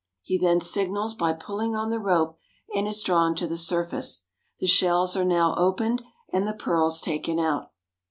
He then signals by pulling on the rope, and is drawn to the surface. The shells are now opened, and the pearls taken out.